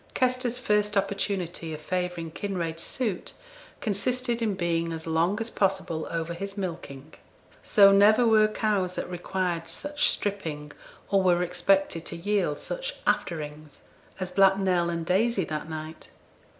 Kester's first opportunity of favouring Kinraid's suit consisted in being as long as possible over his milking; so never were cows that required such 'stripping,' or were expected to yield such 'afterings', as Black Nell and Daisy that night.